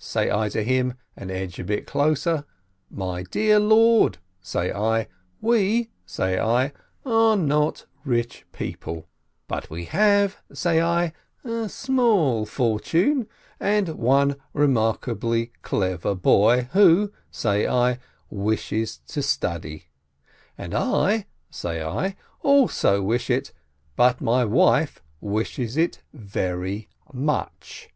Say I to him, and edge a bit closer, "My dear lord," say I, "we," say I, "are not rich people, but we have," say I, "a small fortune, and one remarkably clever boy, who," say I, "wishes to study; and I," say I, "also wish it, but my wife wishes it very much!"